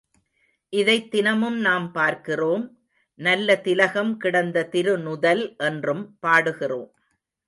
இதைத் தினமும் நாம் பார்க்கிறோம், நல்ல திலகம் கிடந்த திரு நுதல் என்றும் பாடுகிறோம்.